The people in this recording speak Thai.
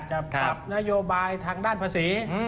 จะปรับนโยบายทางด้านภาษี